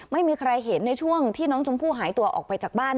ไม่มีใครเห็นในช่วงที่น้องชมพู่หายตัวออกไปจากบ้าน